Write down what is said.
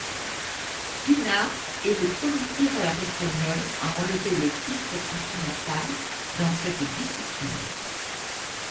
Pina est le premier tireur espagnol à enlever le titre continental dans cette disciplime.